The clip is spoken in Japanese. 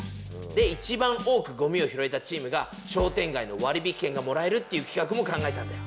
でいちばん多くゴミを拾えたチームが商店街の割引券がもらえるっていう企画も考えたんだよ。